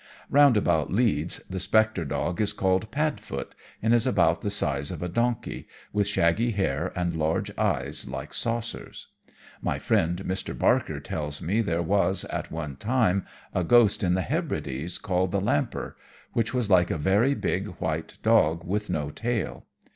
Round about Leeds the spectre dog is called "Padfoot," and is about the size of a donkey, with shaggy hair and large eyes like saucers. My friend Mr. Barker tells me there was, at one time, a ghost in the Hebrides called the Lamper, which was like a very big, white dog with no tail.